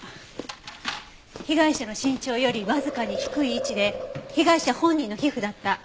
被害者の身長よりわずかに低い位置で被害者本人の皮膚だった。